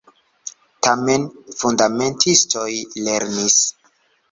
Tamen fundamentistoj lernis.